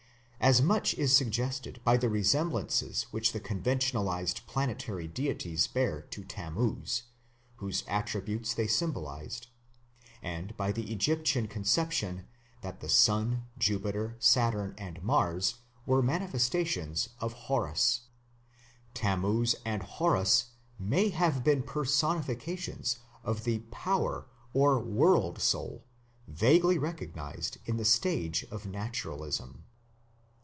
As much is suggested by the resemblances which the conventionalized planetary deities bear to Tammuz, whose attributes they symbolized, and by the Egyptian conception that the sun, Jupiter, Saturn, and Mars were manifestations of Horus. Tammuz and Horus may have been personifications of the Power or World Soul vaguely recognized in the stage of Naturalism.